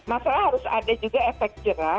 masalah harus ada juga efek jerah